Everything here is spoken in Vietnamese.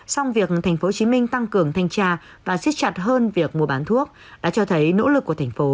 song việc tp hcm tăng cường thanh tra và xích chặt hơn việc mua bán thuốc đã cho thấy nỗ lực của thành phố